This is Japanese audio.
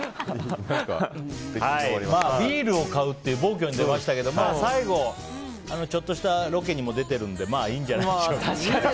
ビールを買うという暴挙に出ましたけど最後ちょっとしたロケにも出てるんでまあ、いいんじゃないでしょうか。